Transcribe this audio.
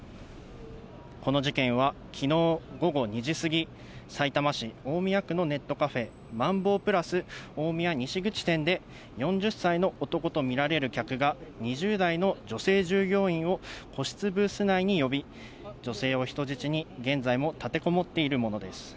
この事件はきのう午後２時過ぎ、さいたま市大宮区のネットカフェ、マンボープラス大宮西口店で、４０歳の男と見られる客が、２０代の女性従業員を個室ブース内に呼び、女性を人質に現在も立てこもっているものです。